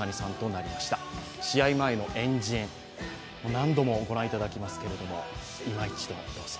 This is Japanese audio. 何度もご覧いただきますけど、いま一度、どうぞ。